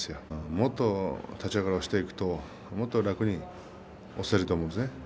もっと立ち合いからするともっと押せると思うんですよね。